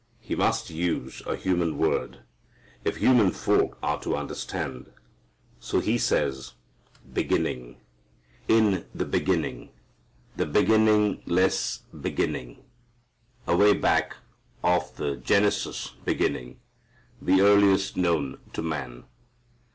He must use a human word, if human folk are to understand. So he says "beginning." "In the beginning," the beginningless beginning, away back of the Genesis beginning, the earliest known to man.